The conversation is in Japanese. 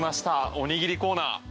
おにぎりコーナー。